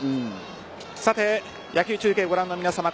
野球中継をご覧の皆さま